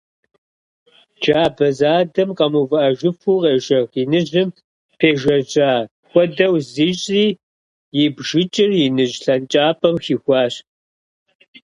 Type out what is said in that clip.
Джабэ задэм къэмыувыӀэжыфу къежэх иныжьым пежажьэ хуэдэу зищӀри, и бжыкӀыр иныжь лъэнкӀапӀэм хихуащ.